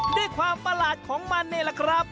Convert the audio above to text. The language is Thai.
ด้วยความประหลาดของมันนี่แหละครับ